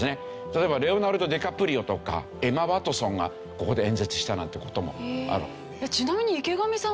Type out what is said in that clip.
例えばレオナルド・ディカプリオとかエマ・ワトソンがここで演説したなんて事もある。